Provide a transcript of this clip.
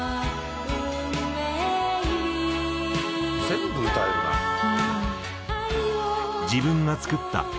「全部歌えるな」